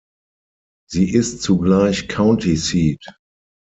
Sie ist zugleich County Seat.